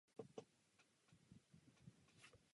Byl aktivní i v podnikání.